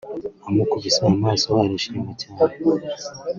Amukubise amaso arishima cyane